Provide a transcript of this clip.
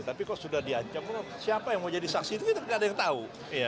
tapi kok sudah diancam siapa yang mau jadi saksi itu kita tidak ada yang tahu